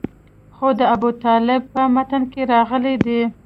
خو د ابوطالب په متن کې راغلي دي.